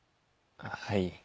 はい。